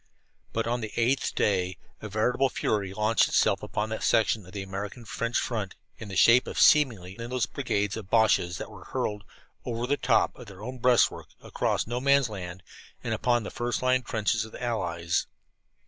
But on the eighth day a veritable fury launched itself upon that section of the American French front, in the shape of seemingly endless brigades of Boches that were hurled "over the top" of their own breastworks, across No Man's Land, and upon the first line trenches of the Allies.